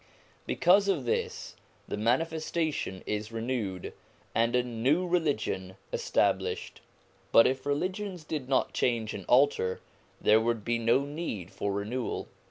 Because of this the manifestation is renewed, and a new religion established. But if religions did not change and alter, there would be no need of renewal.